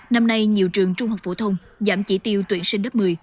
năm nay nhiều trường trung học phổ thông giảm chỉ tiêu tuyển sinh lớp một mươi